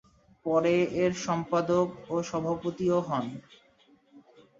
পরে এর সম্পাদক ও সভাপতি ও হন।